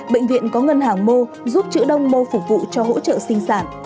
bệnh viện có ngân hàng mô giúp chữ đông mô phục vụ cho hỗ trợ sinh sản